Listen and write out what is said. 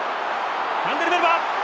ファンデルメルヴァ！